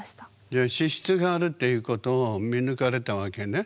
じゃあ資質があるっていうことを見抜かれたわけね。